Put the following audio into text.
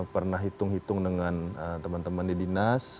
pernah hitung hitung dengan teman teman di dinas